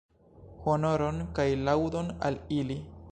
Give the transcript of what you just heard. Honoron kaj laŭdon al ili!